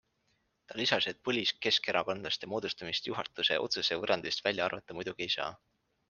Ta lisas, et põliskeskerakondlaste moodustamist juhatuse otsuse võrrandist välja arvata muidugi ei saa.